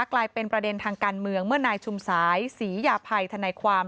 กลายเป็นประเด็นทางการเมืองเมื่อนายชุมสายศรียาภัยทนายความ